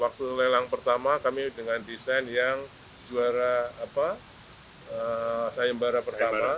waktu lelang pertama kami dengan desain yang juara sayembara pertama